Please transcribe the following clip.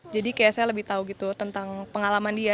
jadi kayak saya lebih tahu gitu tentang pengalaman dia